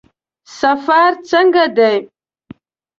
سفر څنګه دی؟